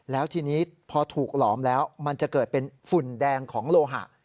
แล้วทีนี้พอถูกหลอมแล้วมันจะเกิดเป็นฝุ่นแดงของโลหะ